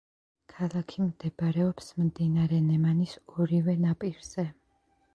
ქალაქი მდებარეობს მდინარე ნემანის ორივე ნაპირზე.